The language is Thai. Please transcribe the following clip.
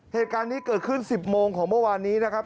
เหตุการณ์นี้เกิดขึ้น๑๐โมงของเมื่อวานนี้นะครับ